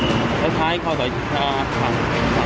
เหมือนเป็นวิธีการแก้เหล้างกัน